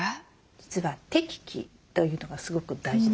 実は適期というのがすごく大事です。